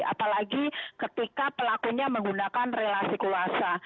apalagi ketika pelakunya menggunakan relasi kuasa